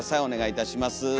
お願いいたします。